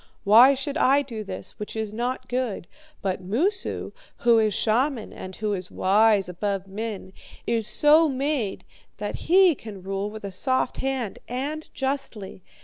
Why should I do this, which is not good? But Moosu, who is shaman, and who is wise above men, is so made that he can rule with a soft hand and justly.